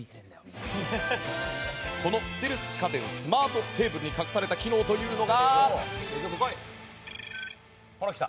このステルス家電スマートテーブルに隠された機能というのが。